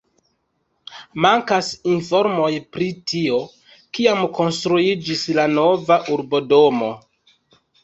Mankas informoj pri tio, kiam konstruiĝis la nova urbodomo.